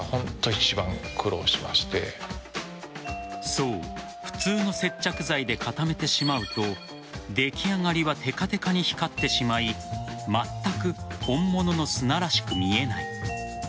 そう普通の接着剤で固めてしまうと出来上がりはテカテカに光ってしまいまったく本物の砂らしく見えない。